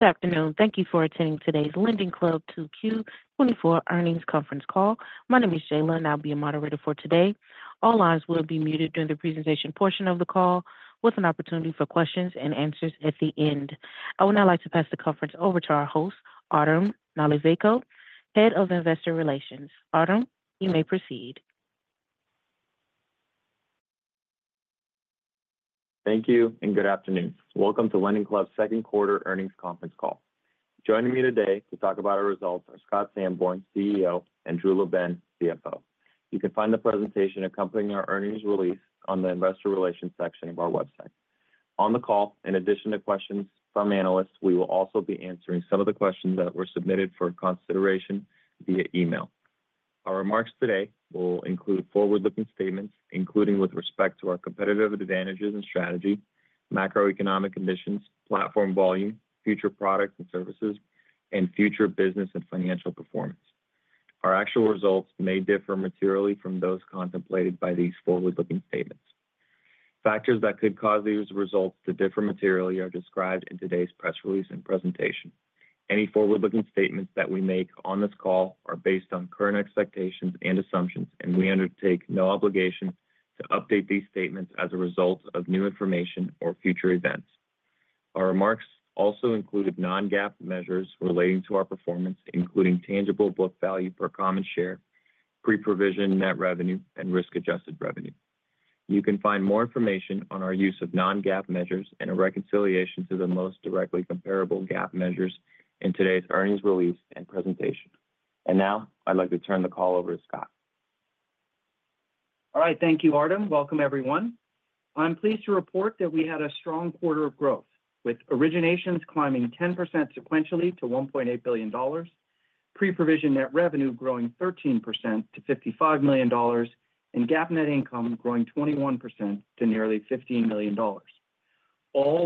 Good afternoon. Thank you for attending today's LendingClub 2Q24 earnings conference call. My name is Jayla, and I'll be your moderator for today. All lines will be muted during the presentation portion of the call, with an opportunity for questions and answers at the end. I would now like to pass the conference over to our host, Artem Nalivayko, Head of Investor Relations. Artem, you may proceed. Thank you and good afternoon. Welcome to LendingClub's second quarter earnings conference call. Joining me today to talk about our results are Scott Sanborn, CEO, and Drew LaBenne, CFO. You can find the presentation accompanying our earnings release on the Investor Relations section of our website. On the call, in addition to questions from analysts, we will also be answering some of the questions that were submitted for consideration via email. Our remarks today will include forward-looking statements, including with respect to our competitive advantages and strategy, macroeconomic conditions, platform volume, future products and services, and future business and financial performance. Our actual results may differ materially from those contemplated by these forward-looking statements. Factors that could cause these results to differ materially are described in today's press release and presentation. Any forward-looking statements that we make on this call are based on current expectations and assumptions, and we undertake no obligation to update these statements as a result of new information or future events. Our remarks also include non-GAAP measures relating to our performance, including tangible book value per common share, pre-provision net revenue, and risk-adjusted revenue. You can find more information on our use of non-GAAP measures and a reconciliation to the most directly comparable GAAP measures in today's earnings release and presentation. Now, I'd like to turn the call over to Scott. All right. Thank you, Artem. Welcome, everyone. I'm pleased to report that we had a strong quarter of growth, with originations climbing 10% sequentially to $1.8 billion, pre-provision net revenue growing 13% to $55 million, and GAAP net income growing 21% to nearly $15 million, all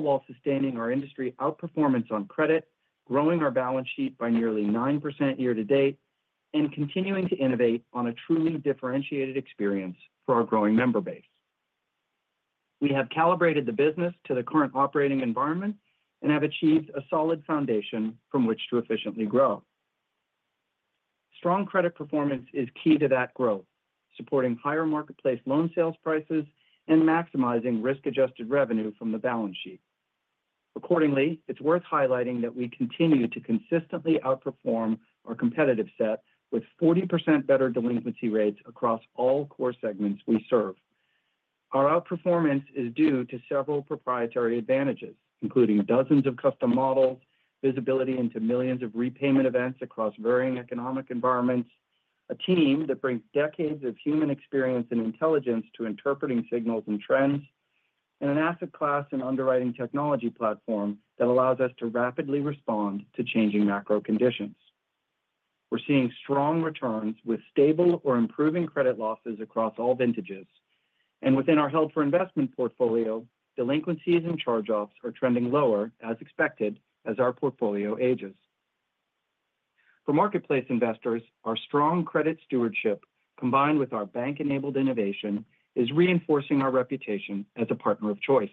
while sustaining our industry outperformance on credit, growing our balance sheet by nearly 9% year to date, and continuing to innovate on a truly differentiated experience for our growing member base. We have calibrated the business to the current operating environment and have achieved a solid foundation from which to efficiently grow. Strong credit performance is key to that growth, supporting higher marketplace loan sales prices and maximizing risk-adjusted revenue from the balance sheet. Accordingly, it's worth highlighting that we continue to consistently outperform our competitive set, with 40% better delinquency rates across all core segments we serve. Our outperformance is due to several proprietary advantages, including dozens of custom models, visibility into millions of repayment events across varying economic environments, a team that brings decades of human experience and intelligence to interpreting signals and trends, and an asset class and underwriting technology platform that allows us to rapidly respond to changing macro conditions. We're seeing strong returns with stable or improving credit losses across all vintages. Within our held-for-investment portfolio, delinquencies and charge-offs are trending lower, as expected, as our portfolio ages. For marketplace investors, our strong credit stewardship, combined with our bank-enabled innovation, is reinforcing our reputation as a partner of choice.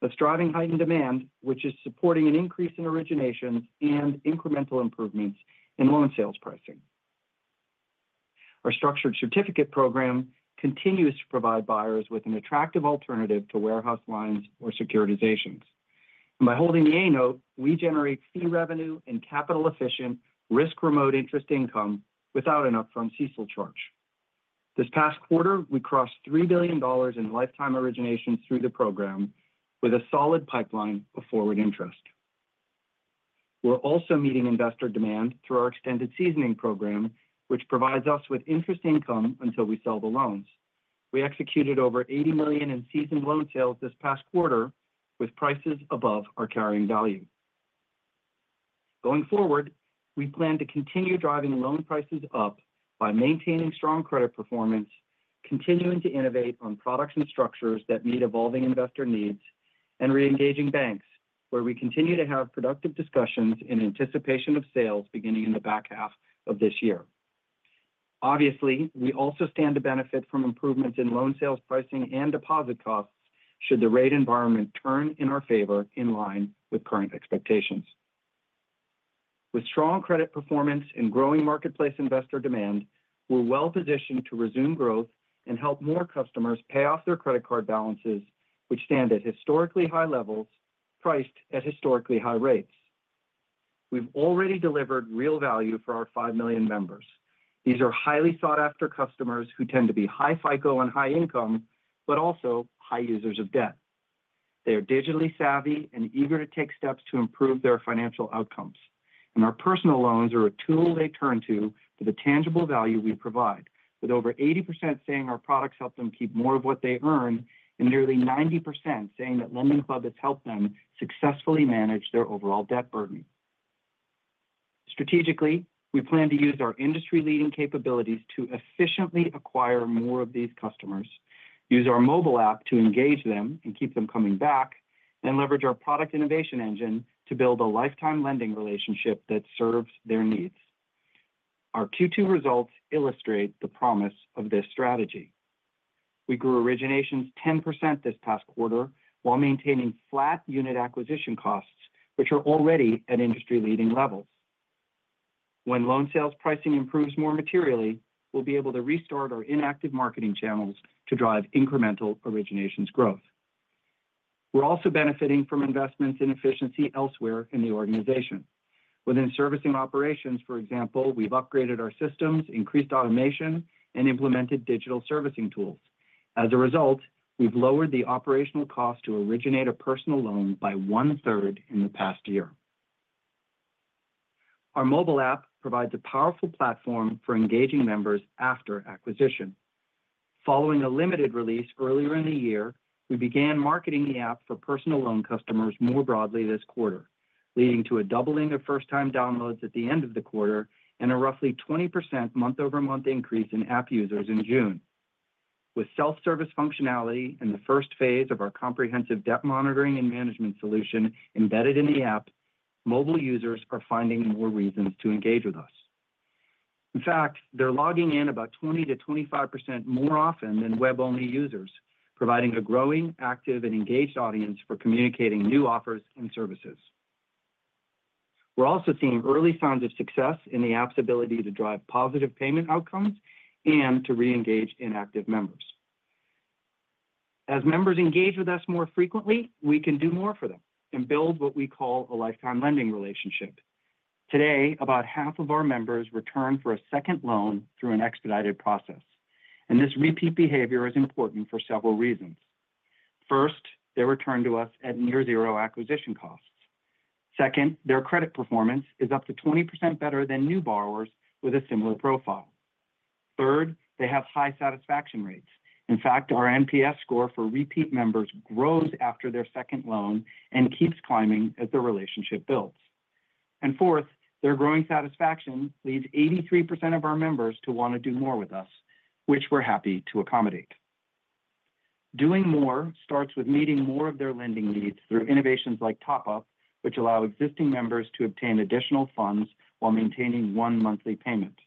That's driving heightened demand, which is supporting an increase in originations and incremental improvements in loan sales pricing. Our structured certificate program continues to provide buyers with an attractive alternative to warehouse lines or securitizations. And by holding the A-note, we generate fee revenue and capital-efficient, risk-remote interest income without an upfront CECL charge. This past quarter, we crossed $3 billion in lifetime originations through the program, with a solid pipeline of forward interest. We're also meeting investor demand through our extended seasoning program, which provides us with interest income until we sell the loans. We executed over $80 million in seasoned loan sales this past quarter, with prices above our carrying value. Going forward, we plan to continue driving loan prices up by maintaining strong credit performance, continuing to innovate on products and structures that meet evolving investor needs, and re-engaging banks, where we continue to have productive discussions in anticipation of sales beginning in the back half of this year. Obviously, we also stand to benefit from improvements in loan sales pricing and deposit costs should the rate environment turn in our favor in line with current expectations. With strong credit performance and growing marketplace investor demand, we're well-positioned to resume growth and help more customers pay off their credit card balances, which stand at historically high levels, priced at historically high rates. We've already delivered real value for our 5 million members. These are highly sought-after customers who tend to be high FICO and high income, but also high users of debt. They are digitally savvy and eager to take steps to improve their financial outcomes. Our personal loans are a tool they turn to for the tangible value we provide, with over 80% saying our products help them keep more of what they earn, and nearly 90% saying that LendingClub has helped them successfully manage their overall debt burden. Strategically, we plan to use our industry-leading capabilities to efficiently acquire more of these customers, use our mobile app to engage them and keep them coming back, and leverage our product innovation engine to build a lifetime lending relationship that serves their needs. Our Q2 results illustrate the promise of this strategy. We grew originations 10% this past quarter while maintaining flat unit acquisition costs, which are already at industry-leading levels. When loan sales pricing improves more materially, we'll be able to restart our inactive marketing channels to drive incremental originations growth. We're also benefiting from investments in efficiency elsewhere in the organization. Within servicing operations, for example, we've upgraded our systems, increased automation, and implemented digital servicing tools. As a result, we've lowered the operational cost to originate a personal loan by one-third in the past year. Our mobile app provides a powerful platform for engaging members after acquisition. Following a limited release earlier in the year, we began marketing the app for personal loan customers more broadly this quarter, leading to a doubling of first-time downloads at the end of the quarter and a roughly 20% month-over-month increase in app users in June. With self-service functionality in the first phase of our comprehensive debt monitoring and management solution embedded in the app, mobile users are finding more reasons to engage with us. In fact, they're logging in about 20%-25% more often than web-only users, providing a growing, active, and engaged audience for communicating new offers and services. We're also seeing early signs of success in the app's ability to drive positive payment outcomes and to re-engage inactive members. As members engage with us more frequently, we can do more for them and build what we call a lifetime lending relationship. Today, about half of our members return for a second loan through an expedited process. This repeat behavior is important for several reasons. First, they return to us at near-zero acquisition costs. Second, their credit performance is up to 20% better than new borrowers with a similar profile. Third, they have high satisfaction rates. In fact, our NPS score for repeat members grows after their second loan and keeps climbing as the relationship builds. Fourth, their growing satisfaction leads 83% of our members to want to do more with us, which we're happy to accommodate. Doing more starts with meeting more of their lending needs through innovations like Top-Up, which allow existing members to obtain additional funds while maintaining one monthly payment.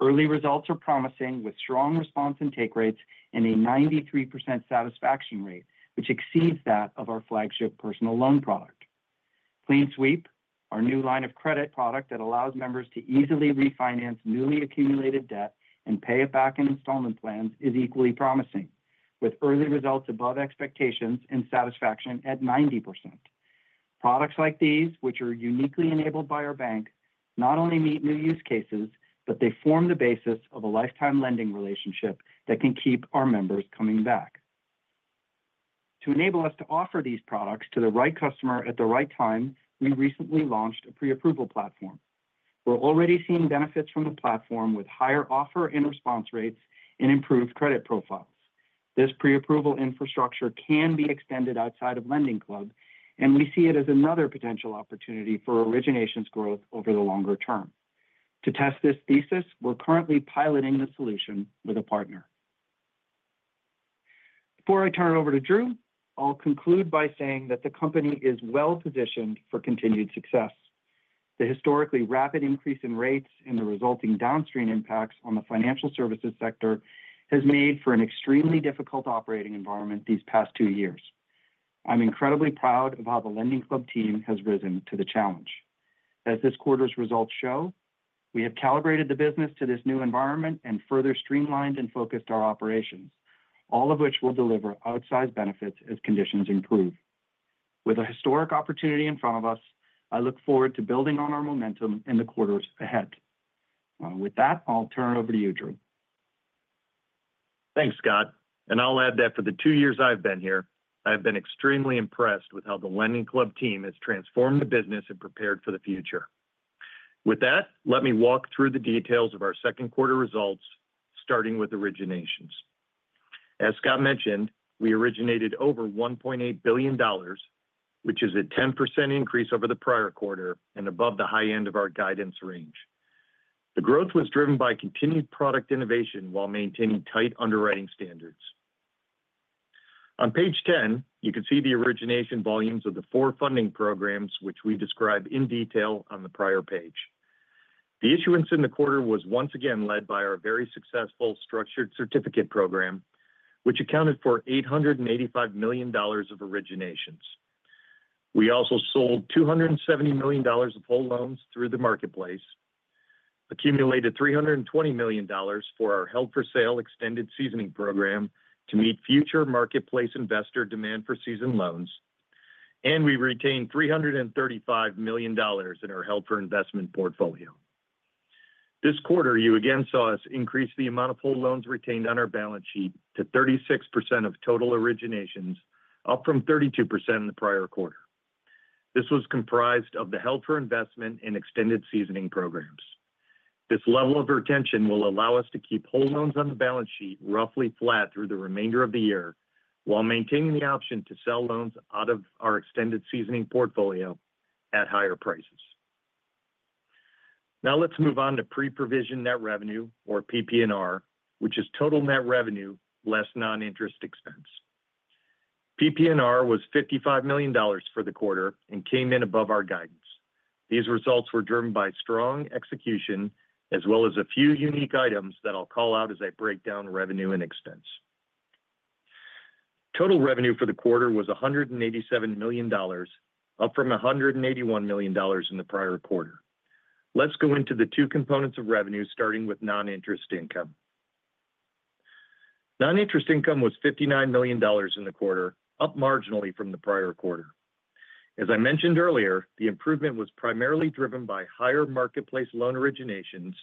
Early results are promising, with strong response and take rates and a 93% satisfaction rate, which exceeds that of our flagship personal loan product. CleanSweep, our new line of credit product that allows members to easily refinance newly accumulated debt and pay it back in installment plans, is equally promising, with early results above expectations and satisfaction at 90%. Products like these, which are uniquely enabled by our bank, not only meet new use cases, but they form the basis of a lifetime lending relationship that can keep our members coming back. To enable us to offer these products to the right customer at the right time, we recently launched a pre-approval platform. We're already seeing benefits from the platform with higher offer and response rates and improved credit profiles. This pre-approval infrastructure can be extended outside of LendingClub, and we see it as another potential opportunity for originations growth over the longer term. To test this thesis, we're currently piloting the solution with a partner. Before I turn it over to Drew, I'll conclude by saying that the company is well-positioned for continued success. The historically rapid increase in rates and the resulting downstream impacts on the financial services sector has made for an extremely difficult operating environment these past two years. I'm incredibly proud of how the LendingClub team has risen to the challenge. As this quarter's results show, we have calibrated the business to this new environment and further streamlined and focused our operations, all of which will deliver outsized benefits as conditions improve. With a historic opportunity in front of us, I look forward to building on our momentum in the quarters ahead. With that, I'll turn it over to you, Drew. Thanks, Scott. I'll add that for the two years I've been here, I have been extremely impressed with how the LendingClub team has transformed the business and prepared for the future. With that, let me walk through the details of our second quarter results, starting with originations. As Scott mentioned, we originated over $1.8 billion, which is a 10% increase over the prior quarter and above the high end of our guidance range. The growth was driven by continued product innovation while maintaining tight underwriting standards. On page 10, you can see the origination volumes of the four funding programs, which we describe in detail on the prior page. The issuance in the quarter was once again led by our very successful structured certificate program, which accounted for $885 million of originations. We also sold $270 million of whole loans through the marketplace, accumulated $320 million for our held-for-sale extended seasoning program to meet future marketplace investor demand for seasoned loans, and we retained $335 million in our held-for-investment portfolio. This quarter, you again saw us increase the amount of whole loans retained on our balance sheet to 36% of total originations, up from 32% in the prior quarter. This was comprised of the held-for-investment and extended seasoning programs. This level of retention will allow us to keep whole loans on the balance sheet roughly flat through the remainder of the year while maintaining the option to sell loans out of our extended seasoning portfolio at higher prices. Now let's move on to pre-provision net revenue, or PP&R, which is total net revenue less non-interest expense. PP&R was $55 million for the quarter and came in above our guidance. These results were driven by strong execution, as well as a few unique items that I'll call out as I break down revenue and expense. Total revenue for the quarter was $187 million, up from $181 million in the prior quarter. Let's go into the two components of revenue, starting with non-interest income. Non-interest income was $59 million in the quarter, up marginally from the prior quarter. As I mentioned earlier, the improvement was primarily driven by higher marketplace loan originations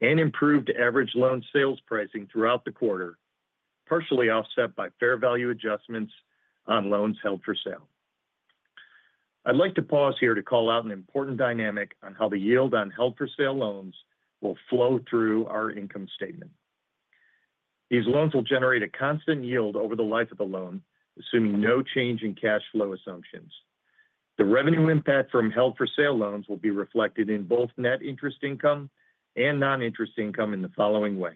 and improved average loan sales pricing throughout the quarter, partially offset by fair value adjustments on loans held for sale. I'd like to pause here to call out an important dynamic on how the yield on held-for-sale loans will flow through our income statement. These loans will generate a constant yield over the life of the loan, assuming no change in cash flow assumptions. The revenue impact from held-for-sale loans will be reflected in both net interest income and non-interest income in the following way.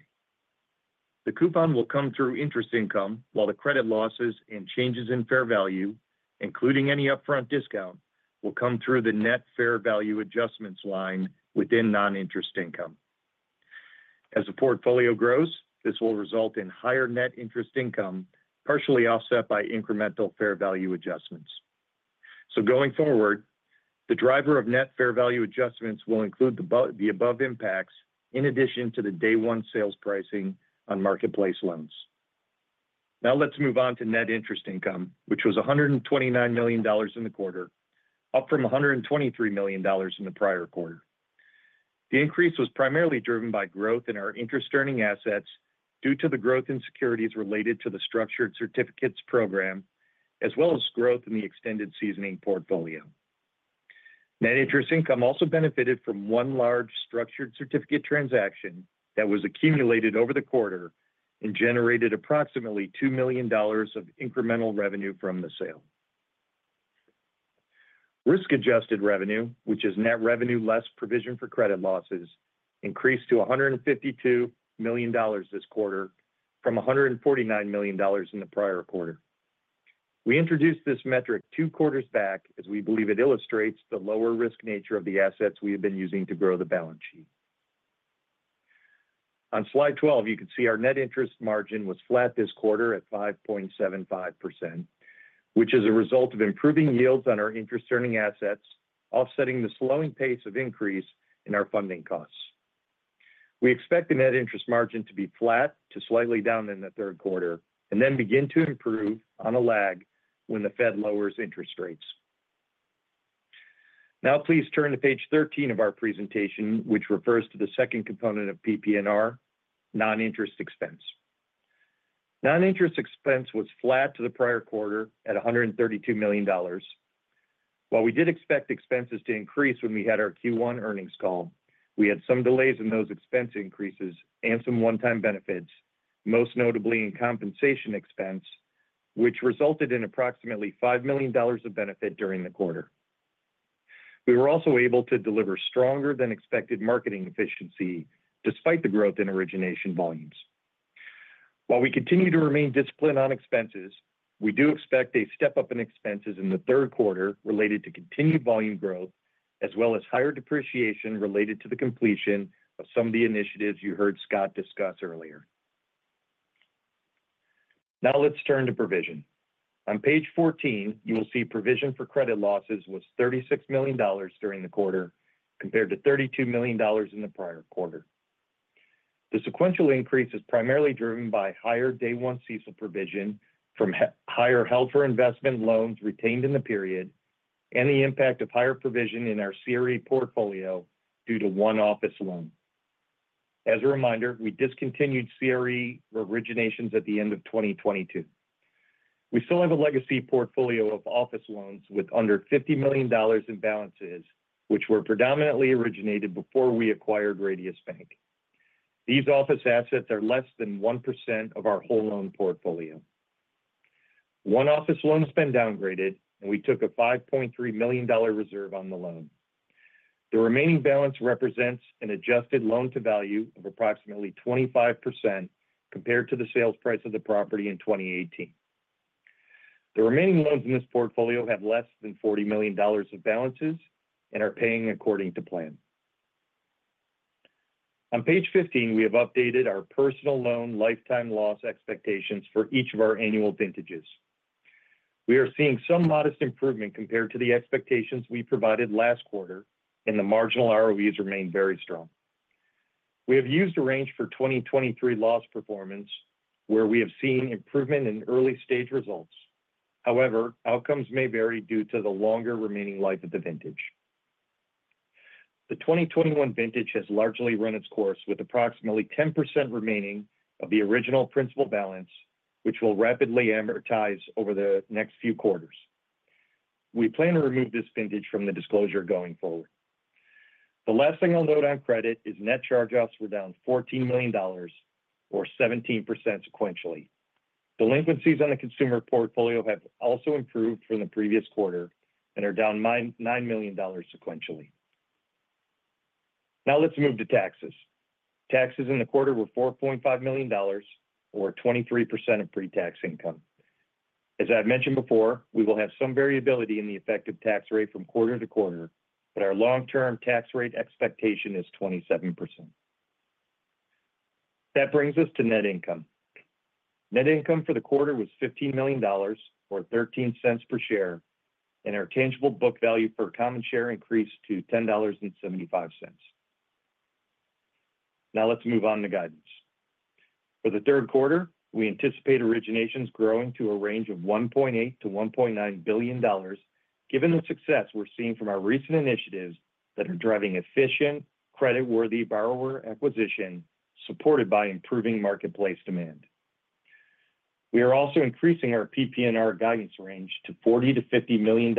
The coupon will come through interest income, while the credit losses and changes in fair value, including any upfront discount, will come through the net fair value adjustments line within non-interest income. As the portfolio grows, this will result in higher net interest income, partially offset by incremental fair value adjustments. So going forward, the driver of net fair value adjustments will include the above impacts in addition to the day-one sales pricing on marketplace loans. Now let's move on to net interest income, which was $129 million in the quarter, up from $123 million in the prior quarter. The increase was primarily driven by growth in our interest-earning assets due to the growth in securities related to the structured certificates program, as well as growth in the extended seasoning portfolio. Net interest income also benefited from one large structured certificate transaction that was accumulated over the quarter and generated approximately $2 million of incremental revenue from the sale. Risk-adjusted revenue, which is net revenue less provision for credit losses, increased to $152 million this quarter from $149 million in the prior quarter. We introduced this metric two quarters back, as we believe it illustrates the lower risk nature of the assets we have been using to grow the balance sheet. On slide 12, you can see our net interest margin was flat this quarter at 5.75%, which is a result of improving yields on our interest-earning assets, offsetting the slowing pace of increase in our funding costs. We expect the net interest margin to be flat to slightly down in the third quarter and then begin to improve on a lag when the Fed lowers interest rates. Now please turn to page 13 of our presentation, which refers to the second component of PP&R, non-interest expense. Non-interest expense was flat to the prior quarter at $132 million. While we did expect expenses to increase when we had our Q1 earnings call, we had some delays in those expense increases and some one-time benefits, most notably in compensation expense, which resulted in approximately $5 million of benefit during the quarter. We were also able to deliver stronger-than-expected marketing efficiency despite the growth in origination volumes. While we continue to remain disciplined on expenses, we do expect a step-up in expenses in the third quarter related to continued volume growth, as well as higher depreciation related to the completion of some of the initiatives you heard Scott discuss earlier. Now let's turn to provision. On page 14, you will see provision for credit losses was $36 million during the quarter compared to $32 million in the prior quarter. The sequential increase is primarily driven by higher day-one CECL provision from higher held-for-investment loans retained in the period and the impact of higher provision in our CRE portfolio due to one office loan. As a reminder, we discontinued CRE originations at the end of 2022. We still have a legacy portfolio of office loans with under $50 million in balances, which were predominantly originated before we acquired Radius Bank. These office assets are less than 1% of our whole loan portfolio. One office loan's been downgraded, and we took a $5.3 million reserve on the loan. The remaining balance represents an adjusted loan-to-value of approximately 25% compared to the sales price of the property in 2018. The remaining loans in this portfolio have less than $40 million of balances and are paying according to plan. On page 15, we have updated our personal loan lifetime loss expectations for each of our annual vintages. We are seeing some modest improvement compared to the expectations we provided last quarter, and the marginal ROEs remain very strong. We have used a range for 2023 loss performance, where we have seen improvement in early-stage results. However, outcomes may vary due to the longer remaining life of the vintage. The 2021 vintage has largely run its course, with approximately 10% remaining of the original principal balance, which will rapidly amortize over the next few quarters. We plan to remove this vintage from the disclosure going forward. The last thing I'll note on credit is net charge-offs were down $14 million, or 17% sequentially. Delinquencies on the consumer portfolio have also improved from the previous quarter and are down $9 million sequentially. Now let's move to taxes. Taxes in the quarter were $4.5 million, or 23% of pre-tax income. As I've mentioned before, we will have some variability in the effective tax rate from quarter to quarter, but our long-term tax rate expectation is 27%. That brings us to net income. Net income for the quarter was $15 million, or $0.13 per share, and our tangible book value per common share increased to $10.75. Now let's move on to guidance. For the third quarter, we anticipate originations growing to a range of $1.8-$1.9 billion, given the success we're seeing from our recent initiatives that are driving efficient, credit-worthy borrower acquisition supported by improving marketplace demand. We are also increasing our PP&R guidance range to $40-$50 million,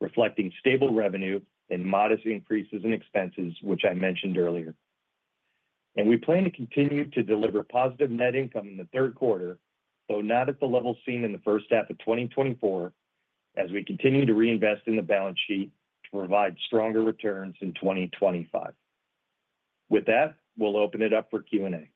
reflecting stable revenue and modest increases in expenses, which I mentioned earlier. And we plan to continue to deliver positive net income in the third quarter, though not at the level seen in the first half of 2024, as we continue to reinvest in the balance sheet to provide stronger returns in 2025. With that, we'll open it up for Q&A.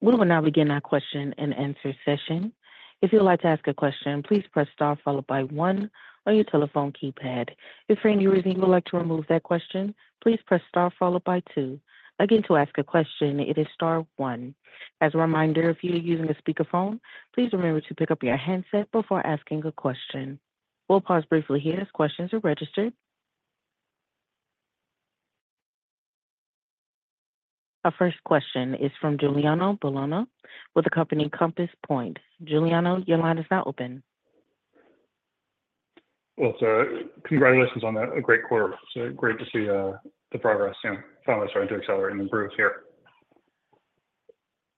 We will now begin our question and answer session. If you'd like to ask a question, please press Star followed by 1 on your telephone keypad. If for any reason you would like to remove that question, please press Star followed by 2. Again, to ask a question, it is Star 1. As a reminder, if you are using a speakerphone, please remember to pick up your handset before asking a question. We'll pause briefly here as questions are registered. Our first question is from Giuliano Bologna with the company Compass Point Research & Trading. Giuliano, your line is now open. Well, so congratulations on a great quarter. So great to see the progress. Yeah, finally starting to accelerate and improve here.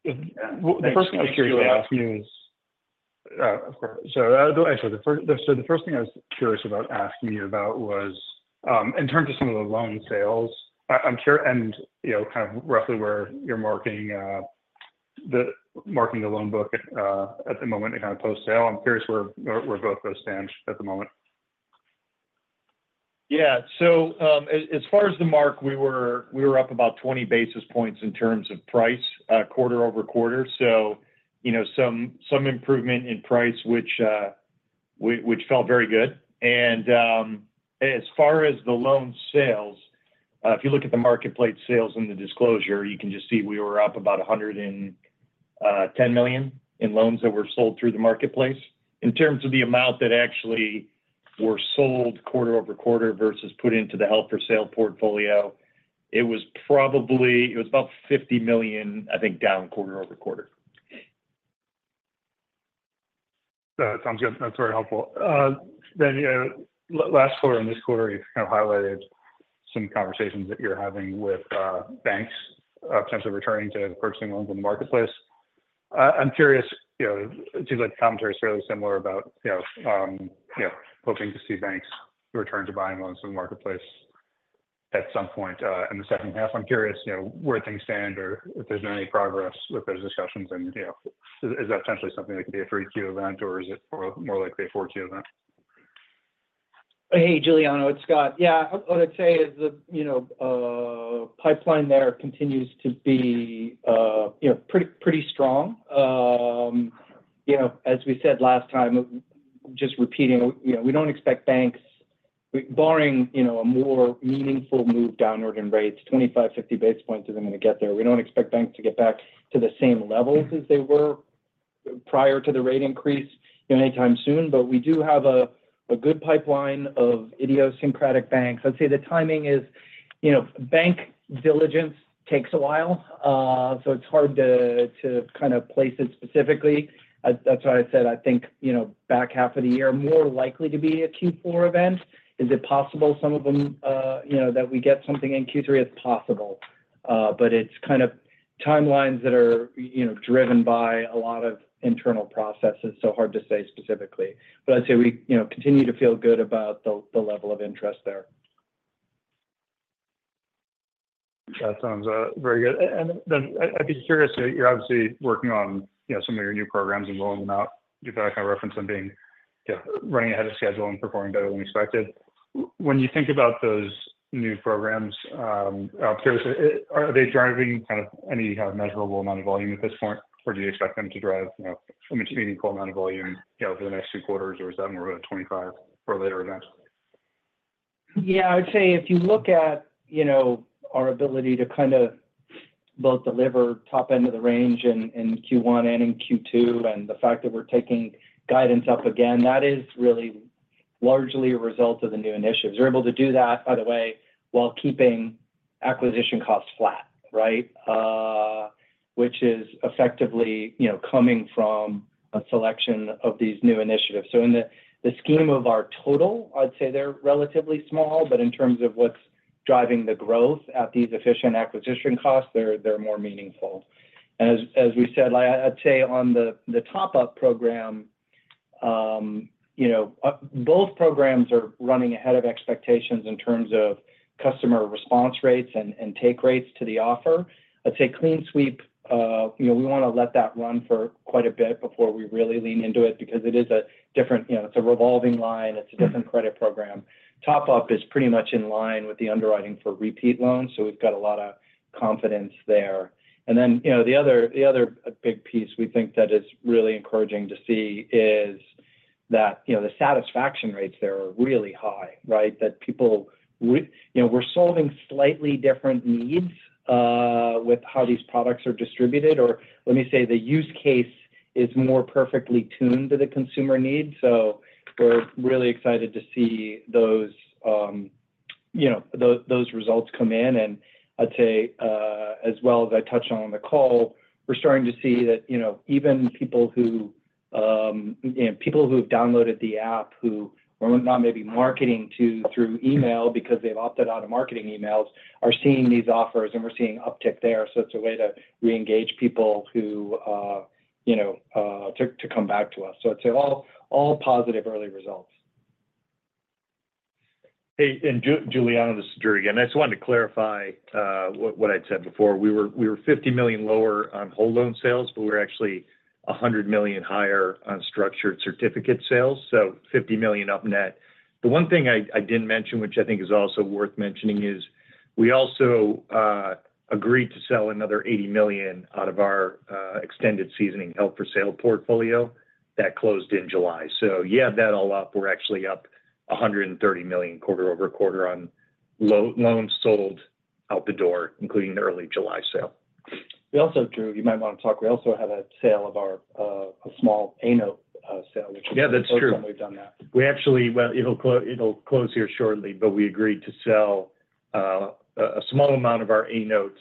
The first thing I was curious about asking you is, of course, so actually, so the first thing I was curious about asking you about was in terms of some of the loan sales. I'm curious, and kind of roughly where you're marking the loan book at the moment and kind of post-sale. I'm curious where both of those stand at the moment. Yeah. So as far as the mark, we were up about 20 basis points in terms of price quarter-over-quarter. So some improvement in price, which felt very good. And as far as the loan sales, if you look at the marketplace sales in the disclosure, you can just see we were up about $110 million in loans that were sold through the marketplace. In terms of the amount that actually were sold quarter-over-quarter versus put into the held-for-sale portfolio, it was probably about $50 million, I think, down quarter-over-quarter. That sounds good. That's very helpful. Then last quarter in this quarter, you've kind of highlighted some conversations that you're having with banks potentially returning to purchasing loans in the marketplace. I'm curious, it seems like the commentary is fairly similar about hoping to see banks return to buying loans from the marketplace at some point in the second half. I'm curious where things stand or if there's been any progress with those discussions. And is that potentially something that could be a 3Q event, or is it more likely a 4Q event? Hey, Giuliano, it's Scott. Yeah, I would say the pipeline there continues to be pretty strong. As we said last time, just repeating, we don't expect banks, barring a more meaningful move downward in rates, 25, 50 basis points isn't going to get there. We don't expect banks to get back to the same levels as they were prior to the rate increase anytime soon. But we do have a good pipeline of idiosyncratic banks. I'd say the timing is bank diligence takes a while, so it's hard to kind of place it specifically. That's why I said I think back half of the year, more likely to be a Q4 event. Is it possible some of them that we get something in Q3? It's possible. But it's kind of timelines that are driven by a lot of internal processes, so hard to say specifically. But I'd say we continue to feel good about the level of interest there. That sounds very good. And then I'd be curious, you're obviously working on some of your new programs and rolling them out. You've kind of referenced them being running ahead of schedule and performing better than expected. When you think about those new programs, I'm curious, are they driving kind of any kind of measurable amount of volume at this point, or do you expect them to drive a meaningful amount of volume over the next few quarters, or is that more of a 2025 or later event? Yeah, I would say if you look at our ability to kind of both deliver top end of the range in Q1 and in Q2 and the fact that we're taking guidance up again, that is really largely a result of the new initiatives. We're able to do that, by the way, while keeping acquisition costs flat, right, which is effectively coming from a selection of these new initiatives. So in the scheme of our total, I'd say they're relatively small, but in terms of what's driving the growth at these efficient acquisition costs, they're more meaningful. And as we said, I'd say on the top-up program, both programs are running ahead of expectations in terms of customer response rates and take rates to the offer. I'd say CleanSweep, we want to let that run for quite a bit before we really lean into it because it is a different, it's a revolving line. It's a different credit program. Top-Up is pretty much in line with the underwriting for repeat loans, so we've got a lot of confidence there. And then the other big piece we think that is really encouraging to see is that the satisfaction rates there are really high, right, that people, we're solving slightly different needs with how these products are distributed, or let me say the use case is more perfectly tuned to the consumer need. So we're really excited to see those results come in. I'd say, as well as I touched on on the call, we're starting to see that even people who have downloaded the app, who were not maybe marketing to through email because they've opted out of marketing emails, are seeing these offers, and we're seeing uptick there. It's a way to reengage people to come back to us. I'd say all positive early results. Hey, Giuliano, this is Drew again. I just wanted to clarify what I'd said before. We were $50 million lower on whole loan sales, but we were actually $100 million higher on structured certificate sales. So $50 million up net. The one thing I didn't mention, which I think is also worth mentioning, is we also agreed to sell another $80 million out of our extended seasoning held-for-sale portfolio that closed in July. So yeah, that all up, we're actually up $130 million quarter-over-quarter on loans sold out the door, including the early July sale. We also, Drew, you might want to talk. We also had a sale of our small A-note sale, which is the first time we've done that. Yeah, that's true. We actually will close here shortly, but we agreed to sell a small amount of our A-notes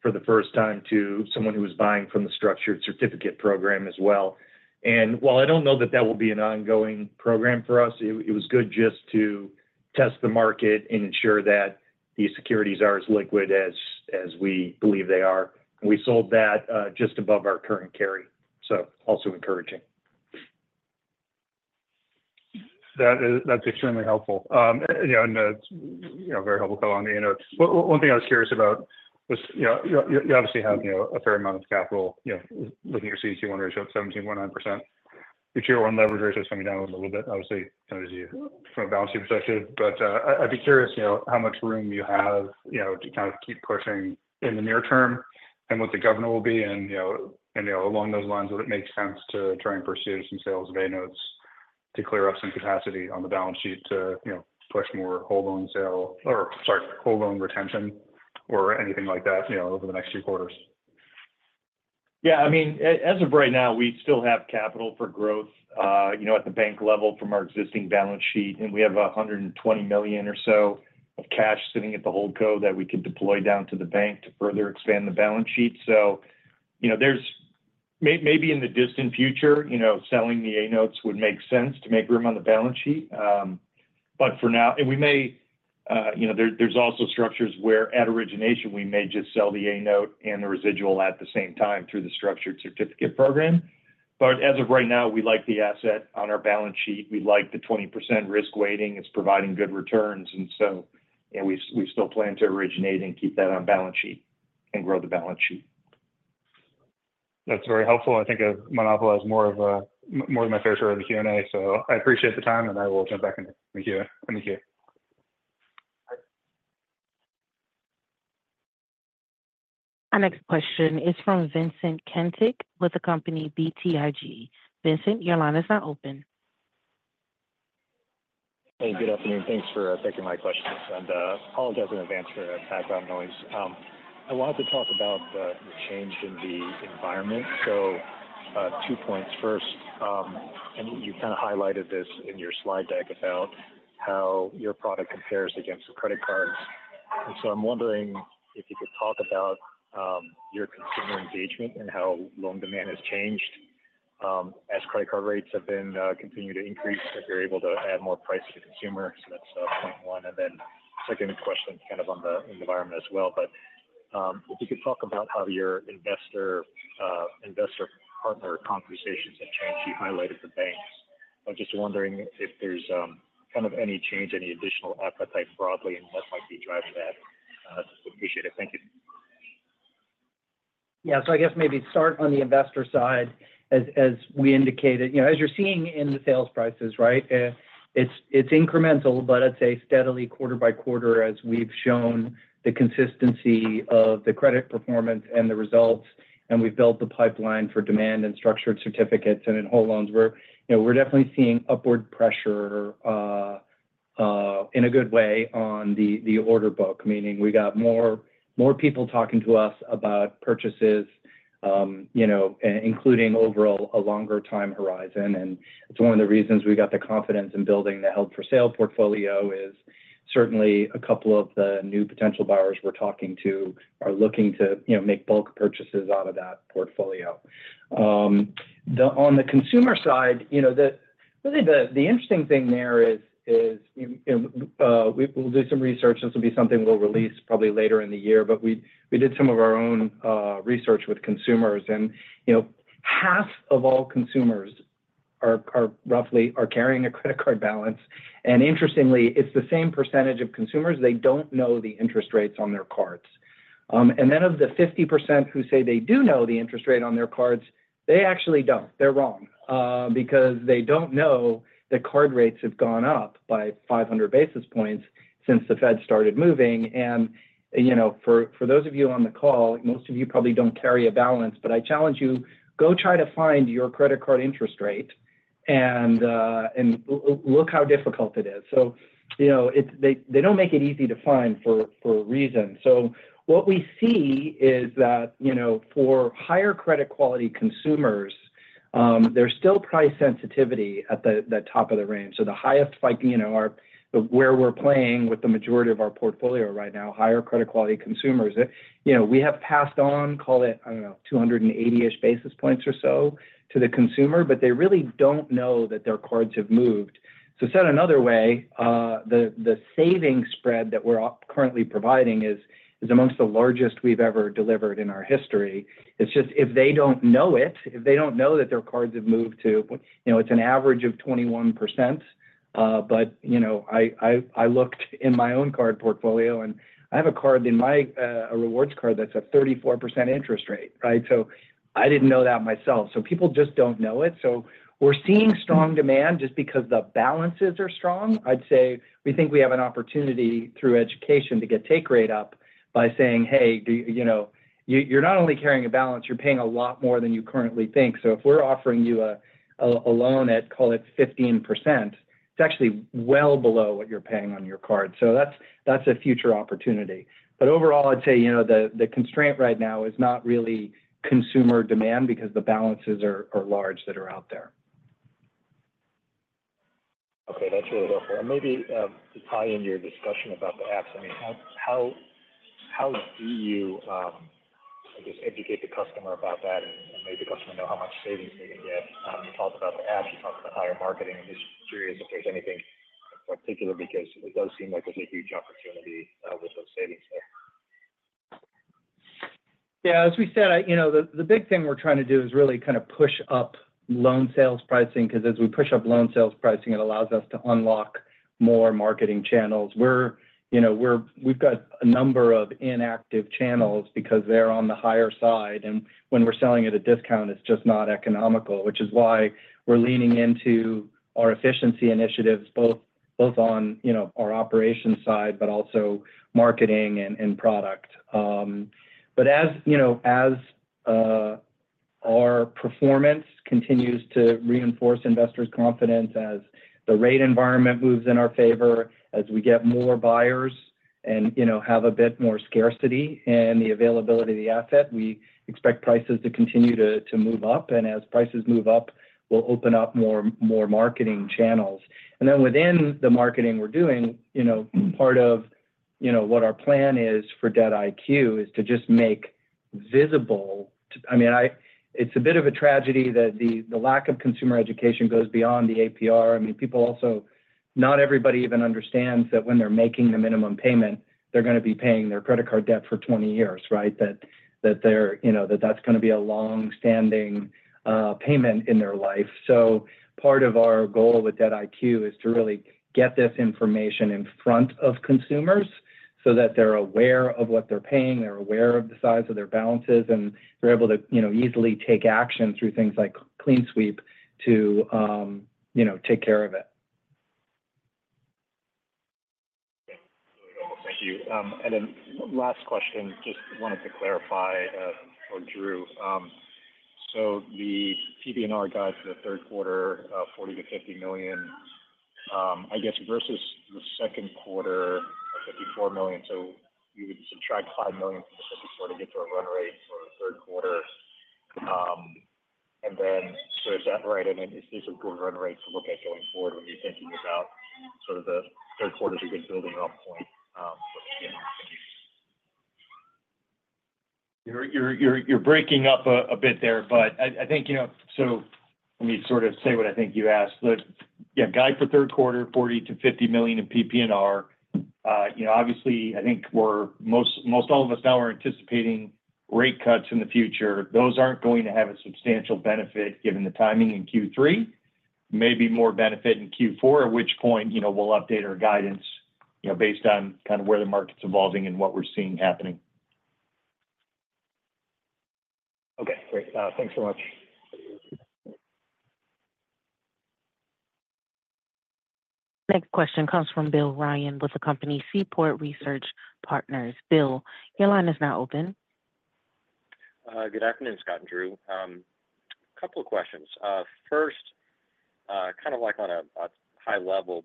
for the first time to someone who was buying from the Structured Certificate Program as well. And while I don't know that that will be an ongoing program for us, it was good just to test the market and ensure that these securities are as liquid as we believe they are. And we sold that just above our current carry, so also encouraging. That's extremely helpful. Very helpful comment on the A-notes. One thing I was curious about was you obviously have a fair amount of capital with your CET1 ratio at 17.9%. Your Tier 1 leverage ratio is coming down a little bit, obviously, from a balance sheet perspective. But I'd be curious how much room you have to kind of keep pushing in the near term and what the governor will be. Along those lines, would it make sense to try and pursue some sales of A-notes to clear up some capacity on the balance sheet to push more whole loan sale or, sorry, whole loan retention or anything like that over the next few quarters? Yeah. I mean, as of right now, we still have capital for growth at the bank level from our existing balance sheet. And we have $120 million or so of cash sitting at the HoldCo that we could deploy down to the bank to further expand the balance sheet. So maybe in the distant future, selling the A-notes would make sense to make room on the balance sheet. But for now, and we may there's also structures where at origination, we may just sell the A-note and the residual at the same time through the structured certificate program. But as of right now, we like the asset on our balance sheet. We like the 20% risk weighting. It's providing good returns. And so we still plan to originate and keep that on balance sheet and grow the balance sheet. That's very helpful. I think I've monopolized more of my fair share of the Q&A, so I appreciate the time, and I will jump back into the Q&A. Thank you. Our next question is from Vincent Caintic with the company BTIG. Vincent, your line is now open. Hey, good afternoon. Thanks for taking my questions. I apologize in advance for the background noise. I wanted to talk about the change in the environment. Two points first. You kind of highlighted this in your slide deck about how your product compares against credit cards. I'm wondering if you could talk about your consumer engagement and how loan demand has changed as credit card rates have been continuing to increase, if you're able to add more price to the consumer. That's point one. Second question kind of on the environment as well. If you could talk about how your investor-partner conversations have changed. You highlighted the banks. I'm just wondering if there's kind of any change, any additional appetite broadly in what might be driving that. I'd appreciate it. Thank you. Yeah. So I guess maybe start on the investor side, as we indicated. As you're seeing in the sales prices, right, it's incremental, but I'd say steadily quarter by quarter as we've shown the consistency of the credit performance and the results. And we've built the pipeline for demand and structured certificates and in whole loans. We're definitely seeing upward pressure in a good way on the order book, meaning we got more people talking to us about purchases, including overall a longer time horizon. And it's one of the reasons we got the confidence in building the held-for-sale portfolio is certainly a couple of the new potential buyers we're talking to are looking to make bulk purchases out of that portfolio. On the consumer side, really the interesting thing there is we'll do some research. This will be something we'll release probably later in the year. But we did some of our own research with consumers. And half of all consumers are roughly carrying a credit card balance. And interestingly, it's the same percentage of consumers. They don't know the interest rates on their cards. And then of the 50% who say they do know the interest rate on their cards, they actually don't. They're wrong because they don't know that card rates have gone up by 500 basis points since the Fed started moving. And for those of you on the call, most of you probably don't carry a balance, but I challenge you, go try to find your credit card interest rate and look how difficult it is. So they don't make it easy to find for a reason. So what we see is that for higher credit quality consumers, there's still price sensitivity at the top of the range. So the highest where we're playing with the majority of our portfolio right now, higher credit quality consumers, we have passed on, call it, I don't know, 280-ish basis points or so to the consumer, but they really don't know that their cards have moved. So said another way, the savings spread that we're currently providing is among the largest we've ever delivered in our history. It's just if they don't know it, if they don't know that their cards have moved to, it's an average of 21%. But I looked in my own card portfolio, and I have a card in my rewards card that's a 34% interest rate, right? So I didn't know that myself. So people just don't know it. So we're seeing strong demand just because the balances are strong. I'd say we think we have an opportunity through education to get take rate up by saying, "Hey, you're not only carrying a balance, you're paying a lot more than you currently think." So if we're offering you a loan at, call it, 15%, it's actually well below what you're paying on your card. So that's a future opportunity. But overall, I'd say the constraint right now is not really consumer demand because the balances are large that are out there. Okay. That's really helpful. And maybe to tie in your discussion about the apps, I mean, how do you, I guess, educate the customer about that and make the customer know how much savings they can get? You talked about the apps. You talked about higher marketing. I'm just curious if there's anything in particular because it does seem like there's a huge opportunity with those savings there. Yeah. As we said, the big thing we're trying to do is really kind of push up loan sales pricing because as we push up loan sales pricing, it allows us to unlock more marketing channels. We've got a number of inactive channels because they're on the higher side. And when we're selling at a discount, it's just not economical, which is why we're leaning into our efficiency initiatives, both on our operations side, but also marketing and product. But as our performance continues to reinforce investors' confidence, as the rate environment moves in our favor, as we get more buyers and have a bit more scarcity in the availability of the asset, we expect prices to continue to move up. And as prices move up, we'll open up more marketing channels. And then within the marketing we're doing, part of what our plan is for DebtIQ is to just make visible. I mean, it's a bit of a tragedy that the lack of consumer education goes beyond the APR. I mean, people also not everybody even understands that when they're making the minimum payment, they're going to be paying their credit card debt for 20 years, right, that that's going to be a long-standing payment in their life. So part of our goal with DebtIQ is to really get this information in front of consumers so that they're aware of what they're paying, they're aware of the size of their balances, and they're able to easily take action through things like CleanSweep to take care of it. Thank you. Last question, just wanted to clarify for Drew. So the TBNR guide for the third quarter, $40 million-$50 million, I guess, versus the second quarter, $54 million. So you would subtract $5 million from the $54 million to get to a run rate for the third quarter. Is that right? And is this a good run rate to look at going forward when you're thinking about sort of the third quarter's a good building up point? You're breaking up a bit there, but I think so. Let me sort of say what I think you asked. The guide for third quarter, $40 million-$50 million in PP&R. Obviously, I think most all of us now are anticipating rate cuts in the future. Those aren't going to have a substantial benefit given the timing in Q3, maybe more benefit in Q4, at which point we'll update our guidance based on kind of where the market's evolving and what we're seeing happening. Okay. Great. Thanks so much. Next question comes from Bill Ryan with the company Seaport Research Partners. Bill, your line is now open. Good afternoon, Scott and Drew. A couple of questions. First, kind of like on a high level,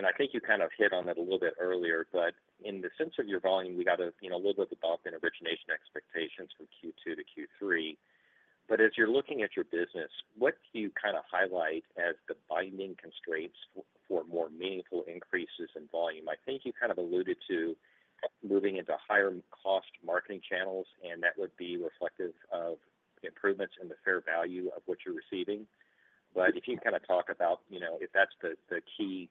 and I think you kind of hit on that a little bit earlier, but in the sense of your volume, we got a little bit of a bump in origination expectations from Q2 to Q3. But as you're looking at your business, what do you kind of highlight as the binding constraints for more meaningful increases in volume? I think you kind of alluded to moving into higher-cost marketing channels, and that would be reflective of improvements in the fair value of what you're receiving. But if you can kind of talk about if that's the key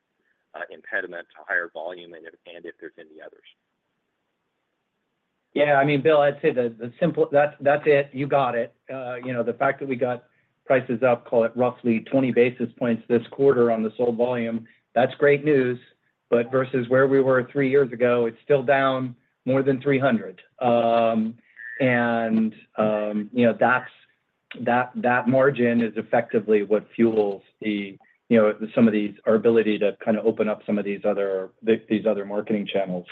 impediment to higher volume and if there's any others? Yeah. I mean, Bill, I'd say that's it. You got it. The fact that we got prices up, call it, roughly 20 basis points this quarter on the sold volume, that's great news. But versus where we were three years ago, it's still down more than 300. And that margin is effectively what fuels some of our ability to kind of open up some of these other marketing channels.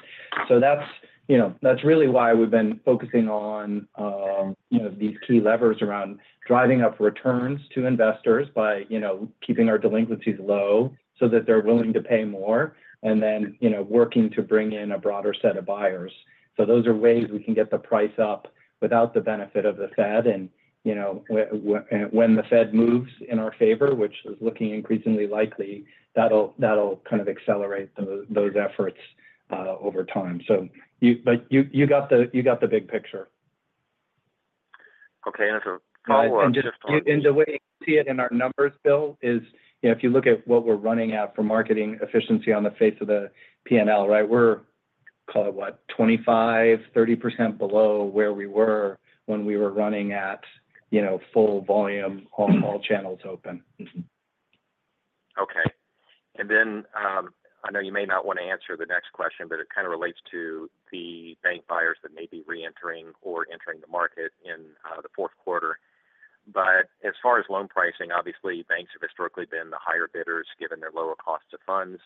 So that's really why we've been focusing on these key levers around driving up returns to investors by keeping our delinquencies low so that they're willing to pay more and then working to bring in a broader set of buyers. So those are ways we can get the price up without the benefit of the Fed. And when the Fed moves in our favor, which is looking increasingly likely, that'll kind of accelerate those efforts over time. You got the big picture. Okay. As a follow-up, just on. The way you see it in our numbers, Bill, is if you look at what we're running at for marketing efficiency on the face of the P&L, right, we're, call it, what, 25%-30% below where we were when we were running at full volume, all channels open. Okay. And then I know you may not want to answer the next question, but it kind of relates to the bank buyers that may be re-entering or entering the market in the fourth quarter. But as far as loan pricing, obviously, banks have historically been the higher bidders given their lower cost of funds.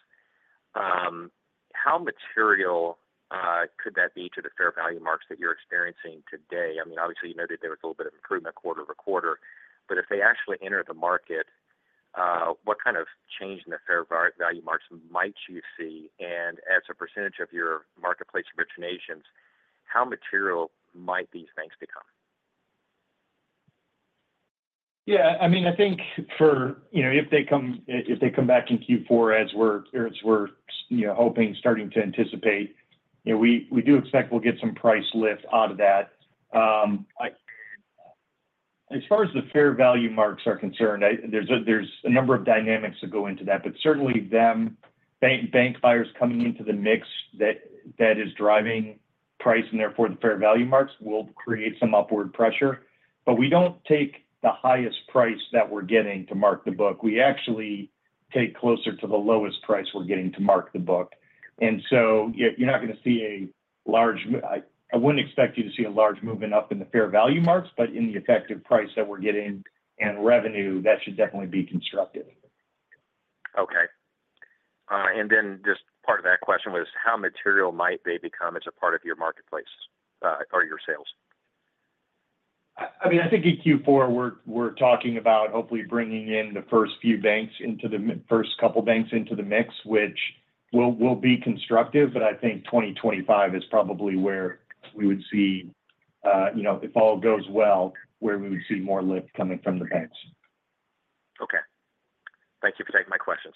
How material could that be to the fair value marks that you're experiencing today? I mean, obviously, you noted there was a little bit of improvement quarter to quarter. But if they actually enter the market, what kind of change in the fair value marks might you see? And as a percentage of your marketplace originations, how material might these banks become? Yeah. I mean, I think if they come back in Q4 as we're hoping, starting to anticipate, we do expect we'll get some price lift out of that. As far as the fair value marks are concerned, there's a number of dynamics that go into that. But certainly, bank buyers coming into the mix that is driving price and therefore the fair value marks will create some upward pressure. But we don't take the highest price that we're getting to mark the book. We actually take closer to the lowest price we're getting to mark the book. And so you're not going to see. I wouldn't expect you to see a large movement up in the fair value marks, but in the effective price that we're getting and revenue, that should definitely be constructive. Okay. Then just part of that question was how material might they become as a part of your marketplace or your sales? I mean, I think in Q4, we're talking about hopefully bringing in the first few banks into the first couple of banks into the mix, which will be constructive. But I think 2025 is probably where we would see, if all goes well, where we would see more lift coming from the banks. Okay. Thank you for taking my questions.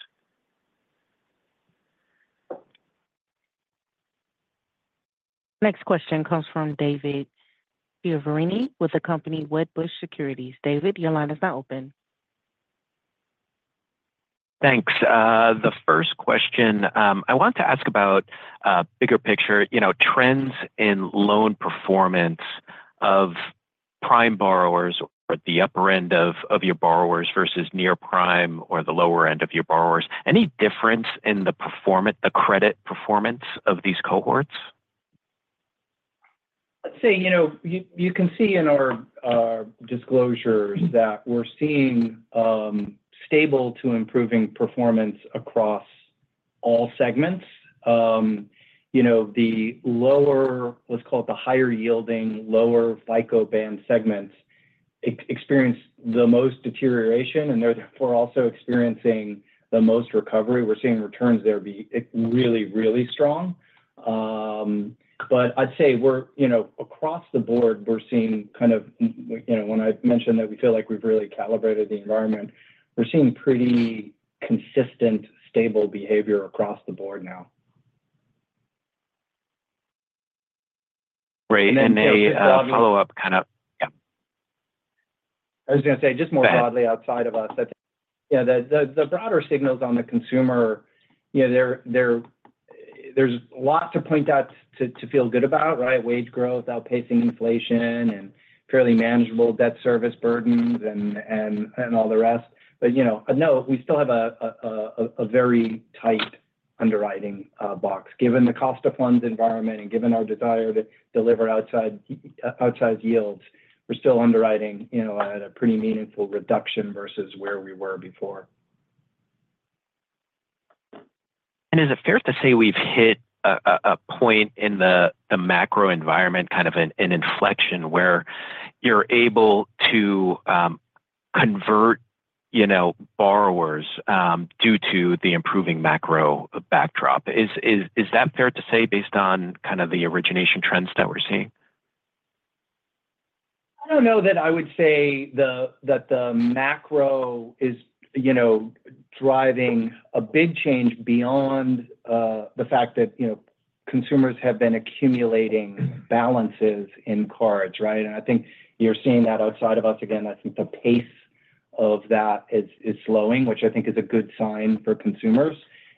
Next question comes from David Chiaverini with the company Wedbush Securities. David, your line is now open. Thanks. The first question, I wanted to ask about bigger picture trends in loan performance of prime borrowers or the upper end of your borrowers versus near prime or the lower end of your borrowers. Any difference in the credit performance of these cohorts? I'd say you can see in our disclosures that we're seeing stable to improving performance across all segments. The lower, let's call it, the higher yielding, lower FICO band segments experience the most deterioration, and they're therefore also experiencing the most recovery. We're seeing returns there be really, really strong. But I'd say across the board, we're seeing kind of when I mentioned that we feel like we've really calibrated the environment, we're seeing pretty consistent, stable behavior across the board now. Great. May I follow up kind of? I was going to say just more broadly outside of us. Yeah. The broader signals on the consumer, there's lots to point out to feel good about, right? Wage growth, outpacing inflation, and fairly manageable debt service burdens, and all the rest. But no, we still have a very tight underwriting box. Given the cost of funds environment and given our desire to deliver outside yields, we're still underwriting at a pretty meaningful reduction versus where we were before. Is it fair to say we've hit a point in the macro environment, kind of an inflection where you're able to convert borrowers due to the improving macro backdrop? Is that fair to say based on kind of theorigination trends that we're seeing? I don't know that I would say that the macro is driving a big change beyond the fact that consumers have been accumulating balances in cards, right? And I think you're seeing that outside of us. Again, I think the pace of that is slowing, which I think is a good sign for consumers.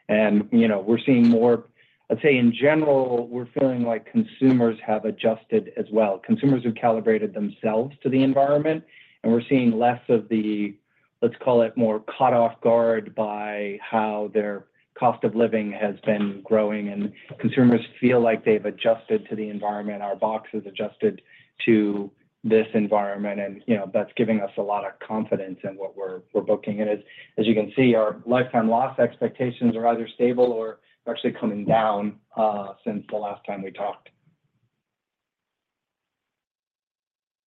And we're seeing more, I'd say in general, we're feeling like consumers have adjusted as well. Consumers have calibrated themselves to the environment, and we're seeing less of the, let's call it, more caught off guard by how their cost of living has been growing. And consumers feel like they've adjusted to the environment. Our box has adjusted to this environment, and that's giving us a lot of confidence in what we're booking. And as you can see, our lifetime loss expectations are either stable or actually coming down since the last time we talked.